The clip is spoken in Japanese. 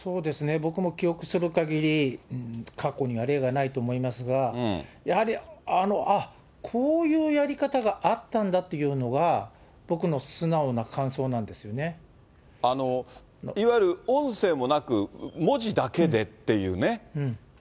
僕も記憶するかぎり、過去には例がないと思いますが、やはり、あっ、こういうやり方があったんだっていうのが、僕の素直な感想なんでいわゆる音声もなく、文字だけでっていうね。